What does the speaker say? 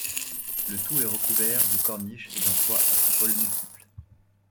Le tout est recouvert de corniches et d'un toit à coupoles multiples.